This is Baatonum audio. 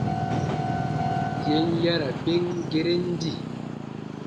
Yè n yara ben geren di.